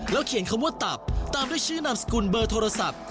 เขียนคำว่าตับตามด้วยชื่อนามสกุลเบอร์โทรศัพท์